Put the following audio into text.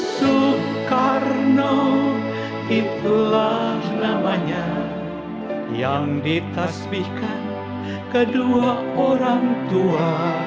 bung karno itulah namanya yang ditasmikan kedua orang tua